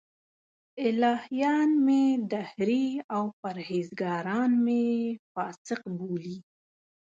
الهیان مې دهري او پرهېزګاران مې فاسق بولي.